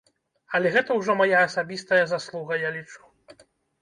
Але гэта ўжо мая асабістая заслуга, я лічу.